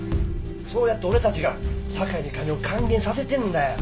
そうやって俺たちが社会に金を還元させてんだよ。